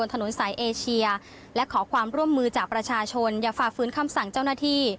ถนนสายเอเชียและขอความร่วมมือจากประชาชนอย่าฝ่าฟื้นคำสั่งเจ้าหน้าที่